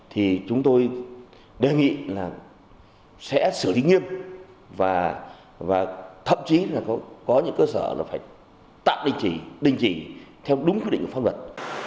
thì chúng tôi đề nghị sẽ xử lý nghiêm và thậm chí có những cơ sở phải tạm đình chỉ theo đúng quy định của pháp luật